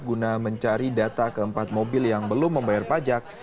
guna mencari data keempat mobil yang belum membayar pajak